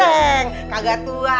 hari sekarang kita ketemu lagi